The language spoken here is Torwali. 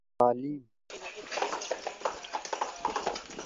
تعلیِم: